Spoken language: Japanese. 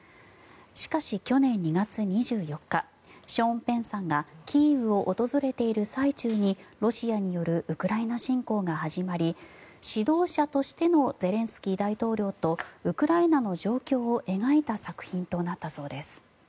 しかし去年２月２４日ショーン・ペンさんがキーウを訪れている最中にロシアによるウクライナ侵攻が始まり指導者としてのゼレンスキー大統領とウクライナの状況を描いた作品となったそうです。